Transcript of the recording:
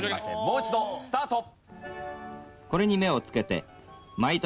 もう一度スタート。